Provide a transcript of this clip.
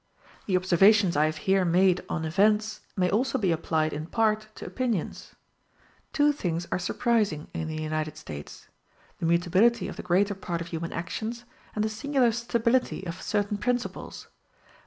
The observations I have here made on events may also be applied in part to opinions. Two things are surprising in the United States the mutability of the greater part of human actions, and the singular stability of certain principles.